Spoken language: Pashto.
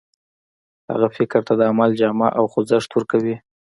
هغه فکر ته د عمل جامه او خوځښت ورکوي.